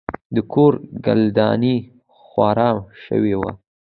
د کور ګلداني خاوره شوې وه.